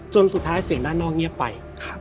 สุดท้ายเสียงด้านนอกเงียบไป